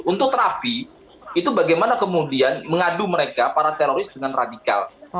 untuk terapi itu bagaimana kemudian mengadu mereka para teroris dengan radikal